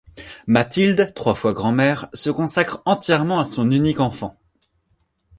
Mathilde, trois fois grand-mère, se consacre entièrement à son unique enfant.